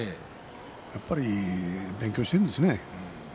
やっぱり勉強しているんですね。